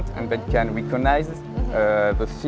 dan mereka bisa mengenalikan hal hal